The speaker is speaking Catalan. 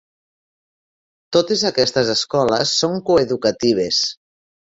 Totes aquestes escoles són coeducatives.